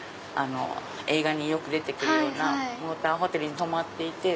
映画によく出て来るようなモーターホテルに泊まっていて。